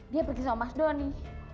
dia pergi sama mas doni